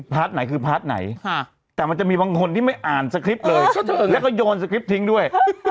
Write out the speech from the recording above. ไหนคือพาร์ทไหนแต่มันจะมีบางคนที่ไม่อ่านสคริปต์เลยแล้วก็โยนสคริปต์ทิ้งด้วย